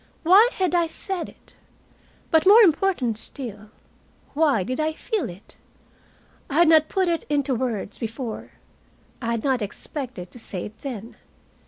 Why had I said it? But more important still, why did I feel it? I had not put it into words before, I had not expected to say it then.